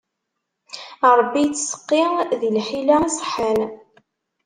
Ṛebbi ittseqqi di lḥila iṣeḥḥan.